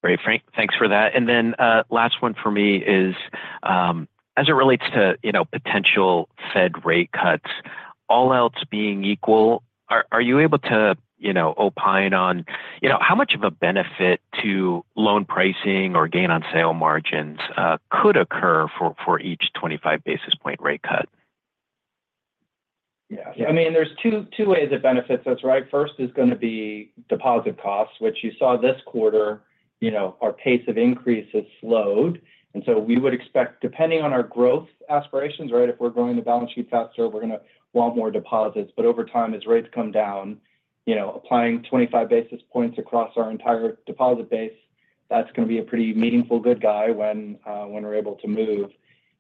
Great. Thanks for that. And then last one for me is, as it relates to potential Fed rate cuts, all else being equal, are you able to opine on how much of a benefit to loan pricing or gain on sale margins could occur for each 25 basis point rate cut? Yeah. I mean, there's two ways it benefits us, right? First is going to be deposit costs, which you saw this quarter. Our pace of increase has slowed. And so we would expect, depending on our growth aspirations, right, if we're growing the balance sheet faster, we're going to want more deposits. But over time, as rates come down, applying 25 basis points across our entire deposit base, that's going to be a pretty meaningful tailwind when we're able to move.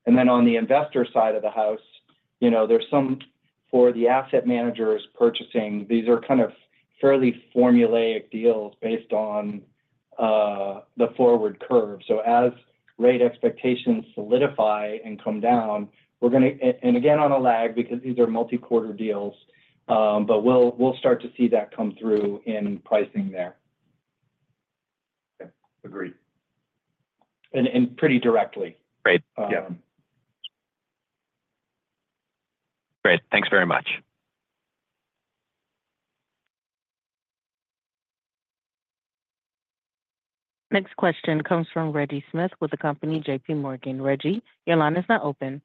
And then on the investor side of the house, there's some for the asset managers purchasing. These are kind of fairly formulaic deals based on the forward curve. So as rate expectations solidify and come down, we're going to, and again, on a lag because these are multi-quarter deals, but we'll start to see that come through in pricing there. Okay. Agreed. Pretty directly. Great. Great. Thanks very much. Next question comes from Reggie Smith with the company JPMorgan. Reggie, your line is now open.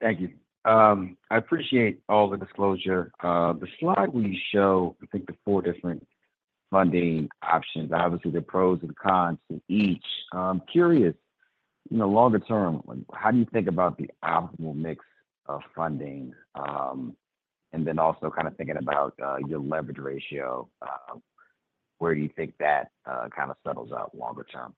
Thank you. I appreciate all the disclosure. The slide we show, I think, the four different funding options, obviously the pros and cons to each. I'm curious, longer term, how do you think about the optimal mix of funding? And then also kind of thinking about your leverage ratio, where do you think that kind of settles out longer term?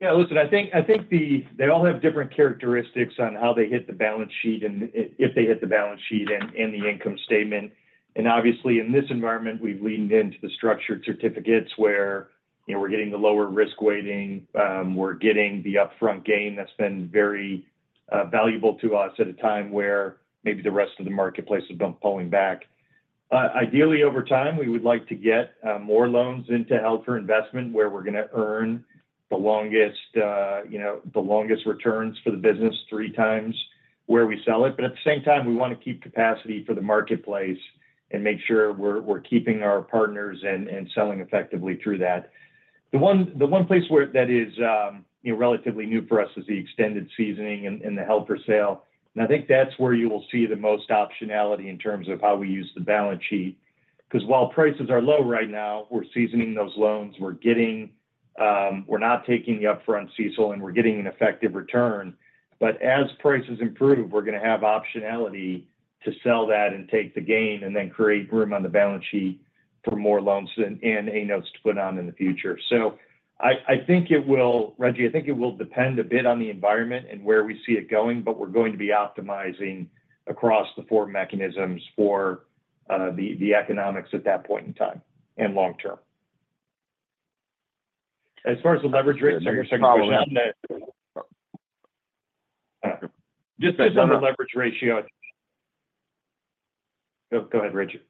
Yeah. Listen, I think they all have different characteristics on how they hit the balance sheet and if they hit the balance sheet and the income statement. Obviously, in this environment, we've leaned into the structured certificates where we're getting the lower risk weighting. We're getting the upfront gain that's been very valuable to us at a time where maybe the rest of the marketplace has been pulling back. Ideally, over time, we would like to get more loans into held for investment where we're going to earn the longest returns for the business three times where we sell it. But at the same time, we want to keep capacity for the marketplace and make sure we're keeping our partners and selling effectively through that. The one place that is relatively new for us is the extended seasoning and the held for sale. I think that's where you will see the most optionality in terms of how we use the balance sheet. Because while prices are low right now, we're seasoning those loans. We're not taking the upfront CECL, and we're getting an effective return. But as prices improve, we're going to have optionality to sell that and take the gain and then create room on the balance sheet for more loans and annuals to put on in the future. So I think it will, Reggie, I think it will depend a bit on the environment and where we see it going, but we're going to be optimizing across the four mechanisms for the economics at that point in time and long term. As far as the leverage rates, I guess I can go ahead. Sorry. I'm not. Just on the leverage ratio. Go ahead, Reggie.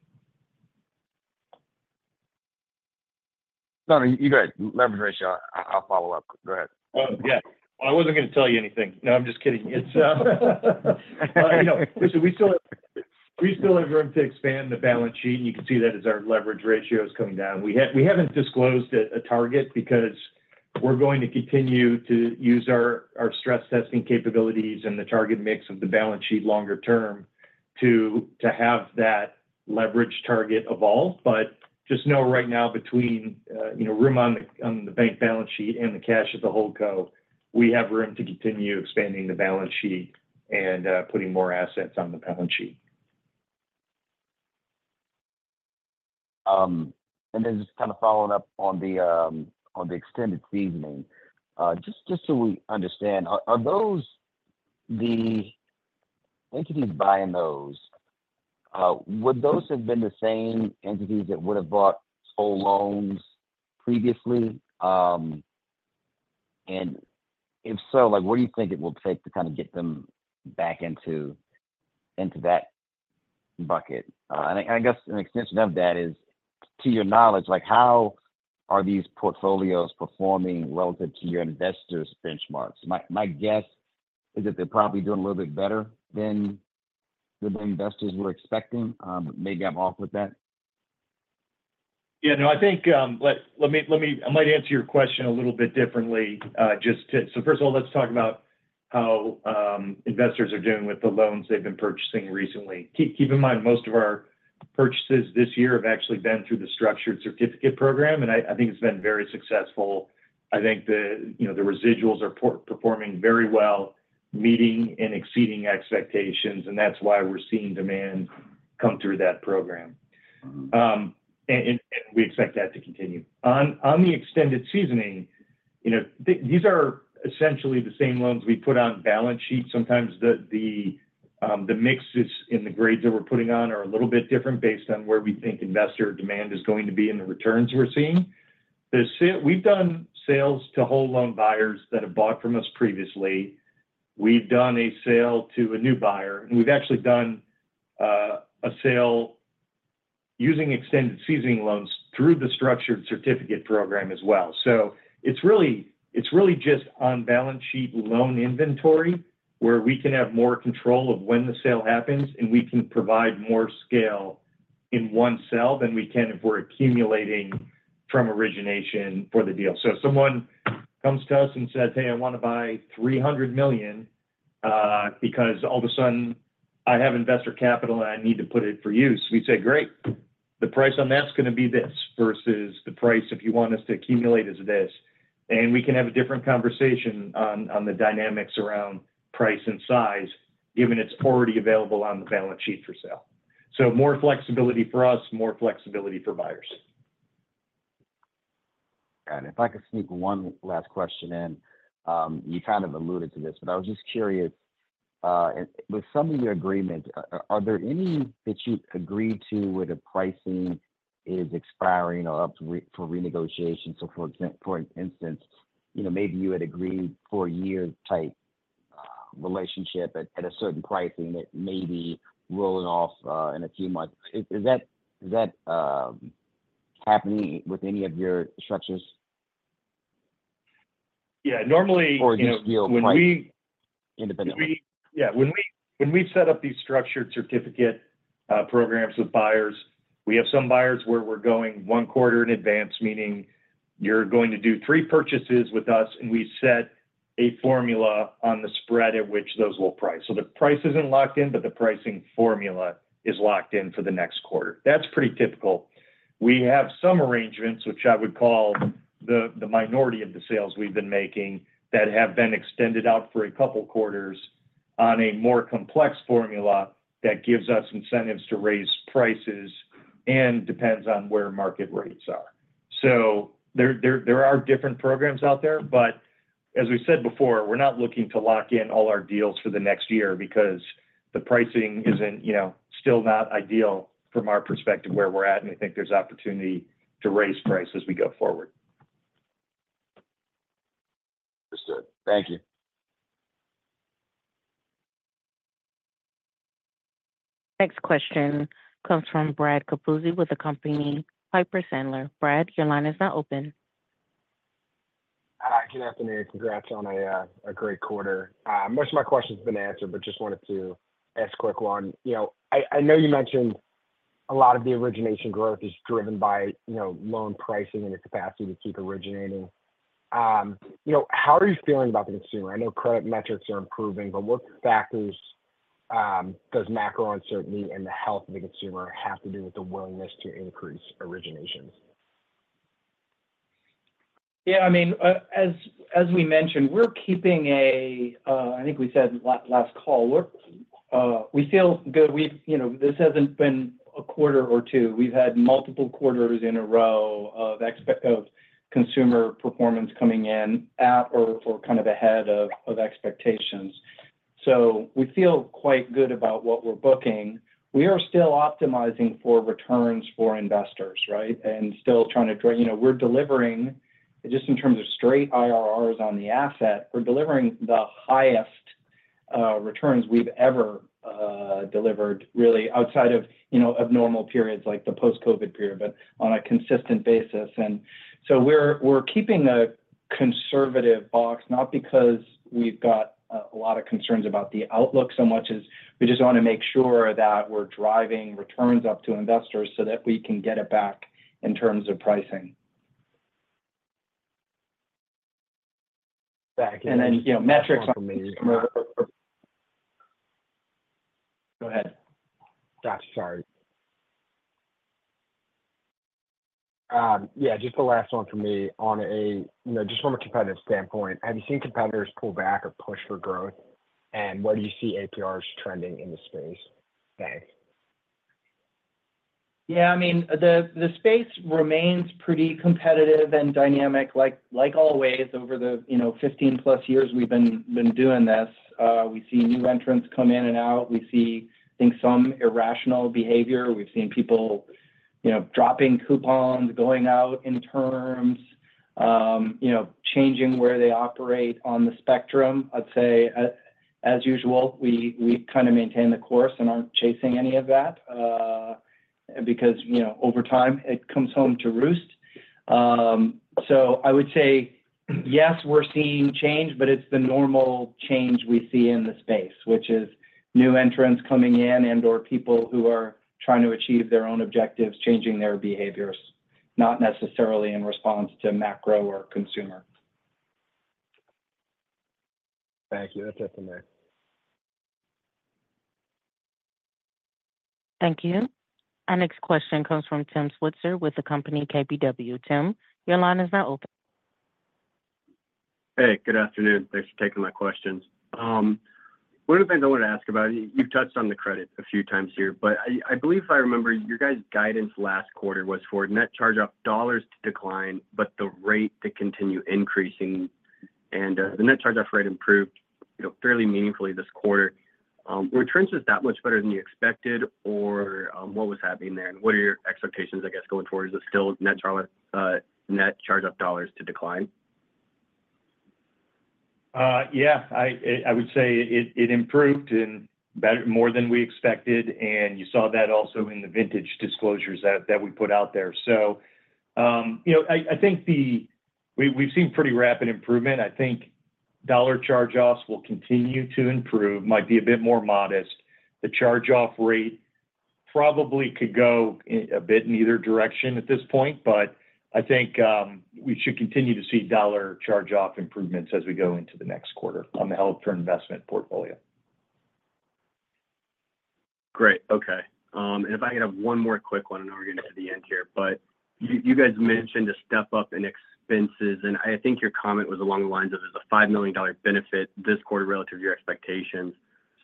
No, no. You go ahead. Leverage ratio. I'll follow up. Go ahead. Oh, yeah. I wasn't going to tell you anything. No, I'm just kidding. So we still have room to expand the balance sheet, and you can see that as our leverage ratio is coming down. We haven't disclosed a target because we're going to continue to use our stress testing capabilities and the target mix of the balance sheet longer term to have that leverage target evolve. But just know right now, between room on the bank balance sheet and the cash of the whole co, we have room to continue expanding the balance sheet and putting more assets on the balance sheet. And then just kind of following up on the extended seasoning, just so we understand, are those the entities buying those? Would those have been the same entities that would have bought full loans previously? And if so, where do you think it will take to kind of get them back into that bucket? And I guess an extension of that is, to your knowledge, how are these portfolios performing relative to your investors' benchmarks? My guess is that they're probably doing a little bit better than the investors were expecting. Maybe I'm off with that. Yeah. No, I think, let me answer your question a little bit differently. So first of all, let's talk about how investors are doing with the loans they've been purchasing recently. Keep in mind, most of our purchases this year have actually been through the structured certificate program, and I think it's been very successful. I think the residuals are performing very well, meeting and exceeding expectations, and that's why we're seeing demand come through that program. And we expect that to continue. On the extended seasoning, these are essentially the same loans we put on balance sheets. Sometimes the mixes in the grades that we're putting on are a little bit different based on where we think investor demand is going to be in the returns we're seeing. We've done sales to whole loan buyers that have bought from us previously. We've done a sale to a new buyer. We've actually done a sale using extended seasoning loans through the structured certificate program as well. It's really just on balance sheet loan inventory where we can have more control of when the sale happens, and we can provide more scale in one sale than we can if we're accumulating from origination for the deal. If someone comes to us and says, "Hey, I want to buy $300 million because all of a sudden I have investor capital and I need to put it for use," we say, "Great. The price on that's going to be this versus the price if you want us to accumulate is this." We can have a different conversation on the dynamics around price and size given it's already available on the balance sheet for sale. More flexibility for us, more flexibility for buyers. Got it. If I could sneak one last question in, you kind of alluded to this, but I was just curious, with some of your agreements, are there any that you agree to where the pricing is expiring or up for renegotiation? So for instance, maybe you had agreed for a year-type relationship at a certain pricing that may be rolling off in a few months. Is that happening with any of your structures? Yeah. Normally. Or just deal quite independently? Yeah. When we've set up these structured certificate programs with buyers, we have some buyers where we're going one quarter in advance, meaning you're going to do three purchases with us, and we set a formula on the spread at which those will price. So the price isn't locked in, but the pricing formula is locked in for the next quarter. That's pretty typical. We have some arrangements, which I would call the minority of the sales we've been making, that have been extended out for a couple of quarters on a more complex formula that gives us incentives to raise prices and depends on where market rates are. There are different programs out there, but as we said before, we're not looking to lock in all our deals for the next year because the pricing isn't still not ideal from our perspective where we're at, and we think there's opportunity to raise prices as we go forward. Understood. Thank you. Next question comes from Brad Capuzzi with the company Piper Sandler. Brad, your line is now open. Hi. Good afternoon. Congrats on a great quarter. Most of my questions have been answered, but just wanted to ask a quick one. I know you mentioned a lot of the origination growth is driven by loan pricing and the capacity to keep originating. How are you feeling about the consumer? I know credit metrics are improving, but what factors does macro uncertainty and the health of the consumer have to do with the willingness to increase originations? Yeah. I mean, as we mentioned, we're keeping a, I think we said last call, we feel good. This hasn't been a quarter or two. We've had multiple quarters in a row of consumer performance coming in at or kind of ahead of expectations. So we feel quite good about what we're booking. We are still optimizing for returns for investors, right, and still trying to, we're delivering, just in terms of straight IRRs on the asset, we're delivering the highest returns we've ever delivered, really, outside of normal periods like the post-COVID period, but on a consistent basis. And so we're keeping a conservative box, not because we've got a lot of concerns about the outlook so much as we just want to make sure that we're driving returns up to investors so that we can get it back in terms of pricing. Back. And then metrics on. Go ahead. Sorry. Yeah. Just the last one for me—just from a competitive standpoint, have you seen competitors pull back or push for growth? And where do you see APRs trending in the space? Thanks. Yeah. I mean, the space remains pretty competitive and dynamic. Like always, over the 15+ years we've been doing this, we see new entrants come in and out. We see, I think, some irrational behavior. We've seen people dropping coupons, going out in terms, changing where they operate on the spectrum. I'd say, as usual, we kind of maintain the course and aren't chasing any of that because over time, it comes home to roost. So I would say, yes, we're seeing change, but it's the normal change we see in the space, which is new entrants coming in and/or people who are trying to achieve their own objectives, changing their behaviors, not necessarily in response to macro or consumer. Thank you. That's it from me. Thank you. Our next question comes from Tim Switzer with the company KBW. Tim, your line is now open. Hey. Good afternoon. Thanks for taking my questions. One of the things I wanted to ask about—you've touched on the credit a few times here—but I believe I remember your guys' guidance last quarter was for net charge-off dollars to decline, but the rate to continue increasing. And the net charge-off rate improved fairly meaningfully this quarter. Were trends just that much better than you expected, or what was happening there? And what are your expectations, I guess, going forward? Is it still net charge-off dollars to decline? Yeah. I would say it improved more than we expected. You saw that also in the vintage disclosures that we put out there. I think we've seen pretty rapid improvement. I think dollar charge-offs will continue to improve. Might be a bit more modest. The charge-off rate probably could go a bit in either direction at this point, but I think we should continue to see dollar charge-off improvements as we go into the next quarter on the held-for-investment portfolio. Great. Okay. And if I could have one more quick one, I know we're getting to the end here, but you guys mentioned a step-up in expenses. And I think your comment was along the lines of there's a $5 million benefit this quarter relative to your expectations.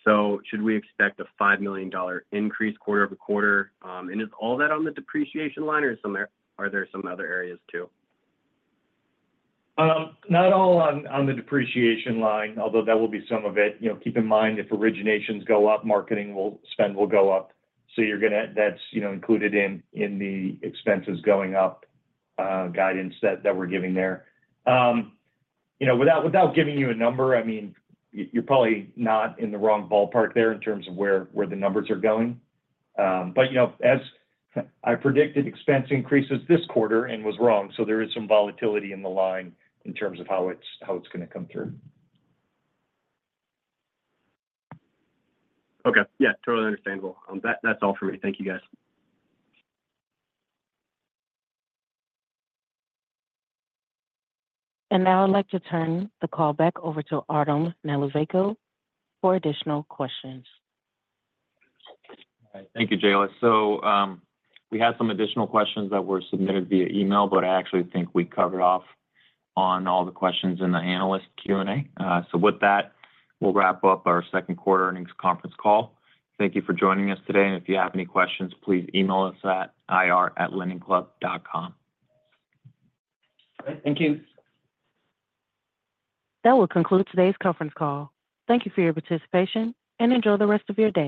So should we expect a $5 million increase quarter-over-quarter? And is all that on the depreciation line, or are there some other areas too? Not all on the depreciation line, although that will be some of it. Keep in mind, if originations go up, marketing will spend will go up. So that's included in the expenses going up guidance that we're giving there. Without giving you a number, I mean, you're probably not in the wrong ballpark there in terms of where the numbers are going. But as I predicted, expense increases this quarter and was wrong. So there is some volatility in the line in terms of how it's going to come through. Okay. Yeah. Totally understandable. That's all for me. Thank you, guys. And now I'd like to turn the call back over to Artem Nalivayko for additional questions. Thank you, Jayla. So we had some additional questions that were submitted via email, but I actually think we covered off on all the questions in the analyst Q&A. So with that, we'll wrap up our second quarter earnings conference call. Thank you for joining us today. And if you have any questions, please email us at ir@lendingclub.com. All right. Thank you. That will conclude today's conference call. Thank you for your participation and enjoy the rest of your day.